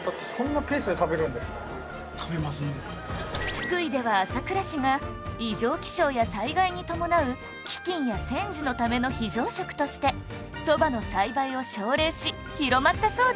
福井では朝倉氏が異常気象や災害に伴う飢饉や戦時のための非常食としてそばの栽培を奨励し広まったそうです